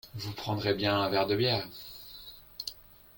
Vous prendrez bien un verre de bière.